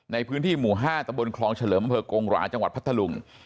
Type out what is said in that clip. ในพื้นที่หมู่๕ตำบลคลองเฉลิมอำเภอกงหราจังหวัดพัทธลุง